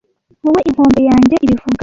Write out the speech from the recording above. wowe inkombe yanjye ibivuga